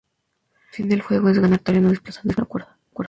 El fin del juego es ganar terreno desplazando la cuerda.